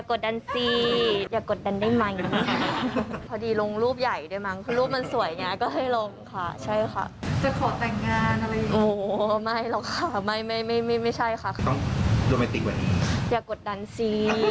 โอ้ไม่หรอกค่ะไม่